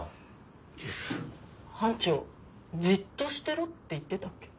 班長じっとしてろって言ってたっけ？